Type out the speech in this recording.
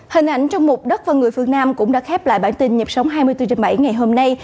hình ảnh trong mục đất và người phương nam cũng đã khép lại bản tin nhịp sống hai mươi bốn h bảy ngày hôm nay